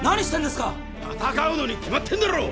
⁉戦うのに決まってんだろ！